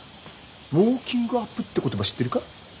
「ウォーキングアップ」って言葉知ってるか？